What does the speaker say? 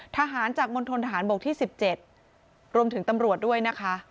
ทหารจากมณฑนทหารบกที่๑๗รวมถึงตำรวจด้วยนะคะ